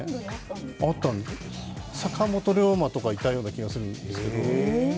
坂本龍馬とか、いたような気がするんですけど。